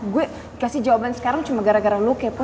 gue dikasih jawaban sekarang cuma gara gara lo kepo